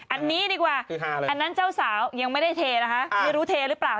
อันนี้ดีกว่าอันนั้นเจ้าสาวยังไม่ได้เทนะคะไม่รู้เทหรือเปล่า